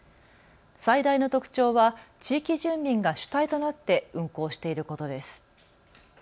最大の特徴は地域住民が主体となって運行していることです。